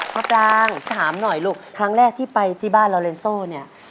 พระปรางถามหน่อยลูกครั้งแรกที่ไปที่บ้านลอเลนโซ่เนี่ย